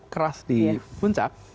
keras di puncak